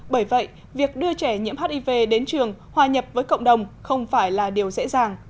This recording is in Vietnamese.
bởi vậy việc đưa trẻ nhiễm hiv đến trường hòa nhập với cộng đồng không phải là điều dễ dàng